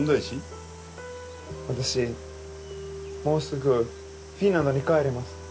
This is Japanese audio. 私もうすぐフィンランドに帰ります。